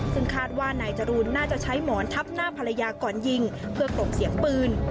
ซึ่งคาดว่านายจรูนน่าจะใช้หมอนทับหน้าภรรยาก่อนยิงเพื่อกลบเสียงปืน